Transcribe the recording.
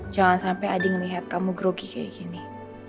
jangan sampai adi ngelihat kamu grogi kayak gini